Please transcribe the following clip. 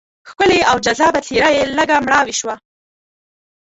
ښکلې او جذابه څېره یې لږه مړاوې شوه.